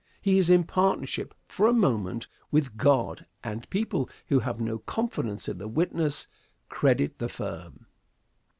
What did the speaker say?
He is in partnership, for a moment, with God, and people who have no confidence in the witness credit the firm.